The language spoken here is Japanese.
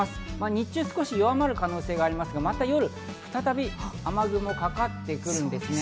日中、少し弱まる可能性がありますが、また夜、再び雨雲がかかってくるんですね。